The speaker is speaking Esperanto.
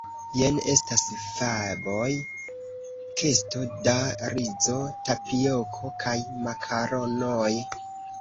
Jen estas faboj, kesto da rizo, tapioko kaj makaronoj.